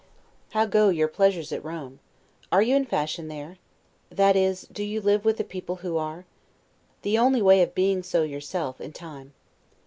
How go, your pleasures at Rome? Are you in fashion there? that is, do you live with the people who are? the only way of being so yourself, in time.